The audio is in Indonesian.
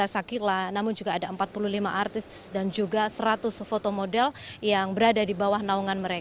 selamat datang di channel